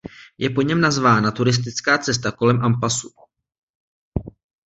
Je po něm nazvána turistická cesta kolem Ampassu.